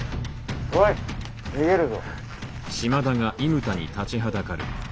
おい逃げるぞ。